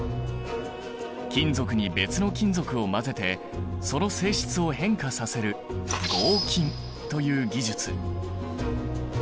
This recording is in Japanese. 金属に別の金属を混ぜてその性質を変化させる合金という技術。